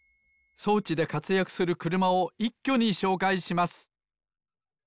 そうちでかつやくするくるまをいっきょにしょうかいします。